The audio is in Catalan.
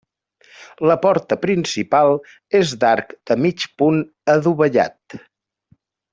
La porta principal és d'arc de mig punt adovellat.